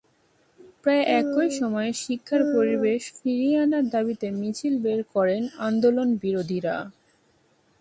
প্রায় একই সময়ে শিক্ষার পরিবেশ ফিরিয়ে আনার দাবিতে মিছিল বের করেন আন্দোলনবিরোধীরা।